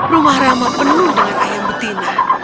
rumah rama penuh dengan ayam betina